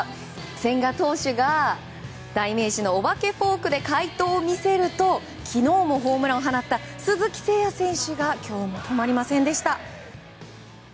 千賀投手が代名詞のお化けフォークで快投を見せると昨日もホームランを放った鈴木誠也選手が今日も止まりませんでした。